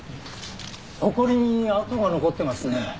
ほこりに跡が残ってますね。